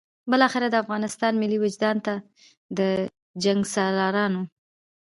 بالاخره د افغانستان ملي وجدان ته د جنګسالارانو.